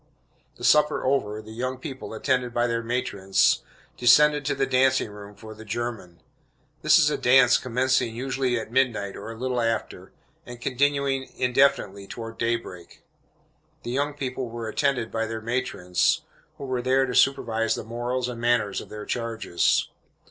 The supper over, the young people, attended by their matrons, descended to the dancing room for the "German." This is a dance commencing usually at midnight or a little after, and continuing indefinitely toward daybreak. The young people were attended by their matrons, who were there to supervise the morals and manners of their charges.